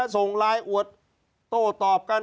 ส่งไลน์อวดโต้ตอบกัน